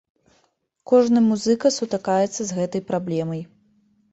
Кожны музыка сутыкаецца з гэтай праблемай.